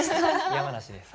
山梨です。